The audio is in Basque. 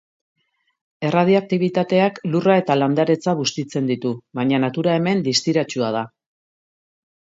Erradioaktibitateak lurra eta landaretza bustitzen ditu, baina natura hemen distiratsua da.